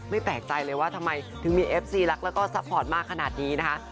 แปลกใจเลยว่าทำไมถึงมีเอฟซีรักแล้วก็ซัพพอร์ตมากขนาดนี้นะคะ